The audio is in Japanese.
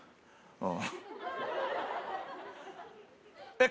ああ！